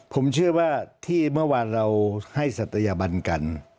ผมเชื่อว่าที่เมื่อวานเราให้ศัตยบันกัน